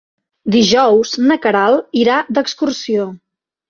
Dijous na Queralt irà d'excursió.